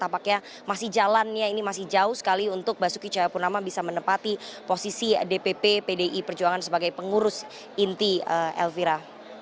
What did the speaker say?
tampaknya masih jalannya ini masih jauh sekali untuk basuki cahayapurnama bisa menempati posisi dpp pdi perjuangan sebagai pengurus inti elvira